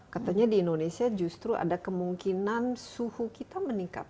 katanya di indonesia justru ada kemungkinan suhu kita meningkat